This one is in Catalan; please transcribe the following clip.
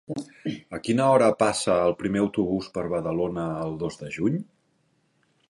A quina hora passa el primer autobús per Badalona el dos de juny?